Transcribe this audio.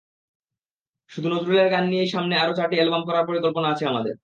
শুধু নজরুলের গান নিয়েই সামনে আরও চারটি অ্যালবাম করার পরিকল্পনা আছে আমাদের।